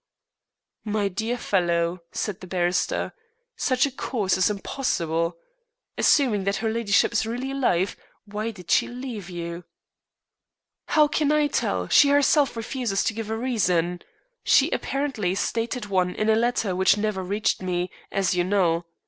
"My dear fellow," said the barrister, "such a course is impossible. Assuming that her ladyship is really alive, why did she leave you?" "How can I tell? She herself refuses to give a reason. She apparently stated one in a letter which never reached me, as you know.